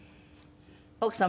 奥様